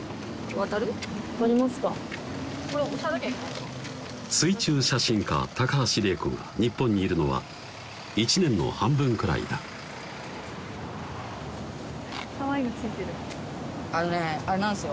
渡りますか水中写真家・高橋怜子が日本にいるのは１年の半分くらいだかわいいのついてるあのねぇあれなんすよ